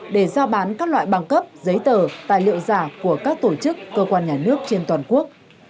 để giao bán các loại băng cấp giấy tờ tài liệu giả của các tổ chức cơ quan nhà nước trên toàn quốc